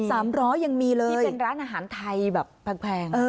ถ้วยละ๒๕๐สามร้อยังมีเลยเป็นร้านอาหารไทยแบบแพง